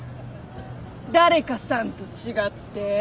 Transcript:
誰かさんと違って？